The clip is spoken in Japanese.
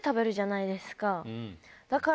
だから。